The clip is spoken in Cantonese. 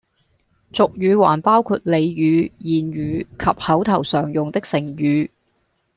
俗語還包括俚語、諺語及口頭常用的成語